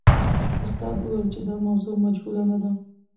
استاد وویل چې دا موضوع مجهوله نه ده.